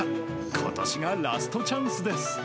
ことしがラストチャンスです。